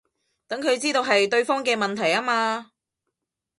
等佢知道係對方嘅問題吖嘛